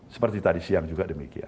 seperti tadi siang juga demikian